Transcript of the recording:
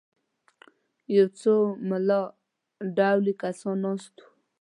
یو څو ملا ډولي کسان ناست وو.